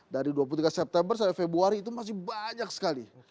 dari dua puluh tiga september sampai februari itu masih banyak sekali